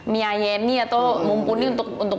miayeni atau mumpuni untuk